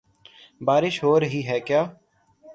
بارش ہو رہی ہے کیا؟